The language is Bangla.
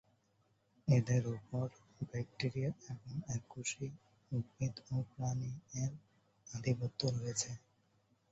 এদের উপর ব্যাকটিরিয়া, এবং এককোষী উদ্ভিদ ও প্রাণী এর আধিপত্য রয়েছে।